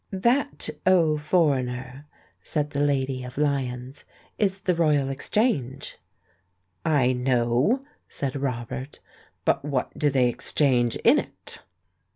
"That, O foreigner," said the lady of Lyons', *'is the Roj^al Exchange!" "I know," said Robert. "But what do they ex change in it?"